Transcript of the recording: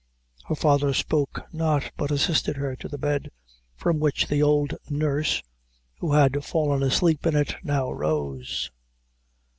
Her father spoke not, but assisted her to the bed from which the old nurse, who had fallen asleep in it, now rose.